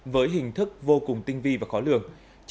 với hình thức vô cùng tinh vi và khó lường